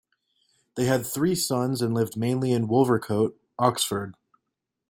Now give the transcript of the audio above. They had three sons and lived mainly in Wolvercote, Oxford.